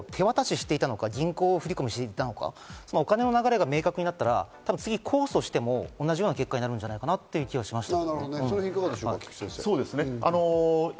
実際、収入を手渡ししていたのか、銀行振り込みしていたのか、お金の流れが明確になったら、次、控訴しても同じような結果になるんじゃないかなという気がしました。